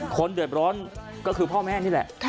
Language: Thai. คนเดือดร้อนก็คือพ่อแม่นี่แหละ